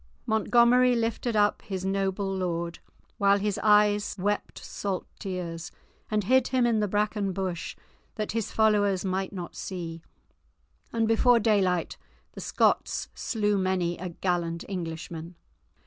Montgomery lifted up his noble lord, while his eyes wept salt tears, and hid him in the bracken bush that his followers might not see, and before daylight the Scots slew many a gallant Englishman.